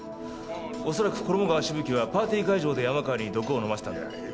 恐らく衣川しぶきはパーティー会場で山川に毒を飲ませたんだ。